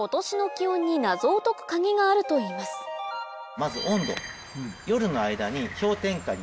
まず温度。